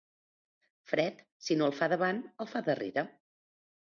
Fred, si no el fa davant, el fa darrere.